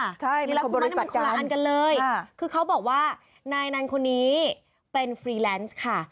ใช่มันของบริษัทกันคือเขาบอกว่านายนันคนนี้เป็นฟรีแลนซ์ค่ะ